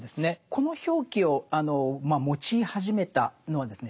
この表記を用い始めたのはですね